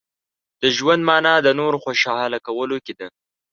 • د ژوند مانا د نورو خوشحاله کولو کې ده.